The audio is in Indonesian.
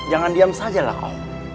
jangan diam sajalah kau